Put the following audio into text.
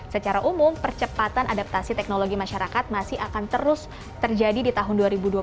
secara umum percepatan adaptasi teknologi masyarakat masih akan terus terjadi di tahun dua ribu dua puluh satu